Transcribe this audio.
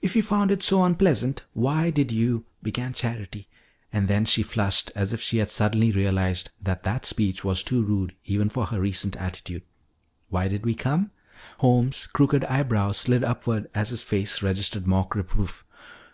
"If you found it so unpleasant, why did you " began Charity, and then she flushed as if she had suddenly realized that that speech was too rude even for her recent attitude. "Why did we come?" Holmes' crooked eyebrow slid upward as his face registered mock reproof.